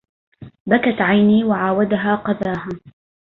بكت عيني وعاودها قذاها